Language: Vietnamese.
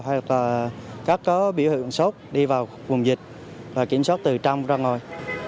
hay là các biểu hiện sốt đi vào vùng dịch và kiểm soát từ trong ra ngoài